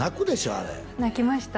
あれ泣きました